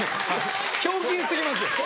ひょうきん過ぎますよ。